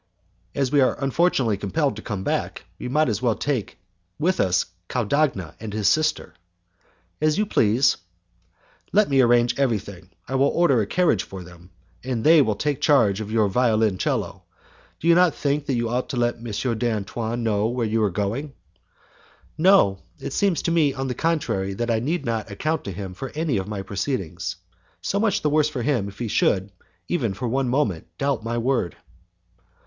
"As we are unfortunately compelled to come back, we may as well take with us Caudagna and his sister." "As you please." "Let me arrange everything. I will order a carriage for them, and they will take charge of your violoncello. Do you not think that you ought to let M. d'Antoine know where we are going?" "No, it seems to me, on the contrary, that I need not account to him for any of my proceedings. So much the worse for him if he should, even for one moment, doubt my word."